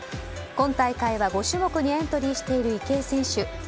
今大会は、５種目にエントリーしている池江選手。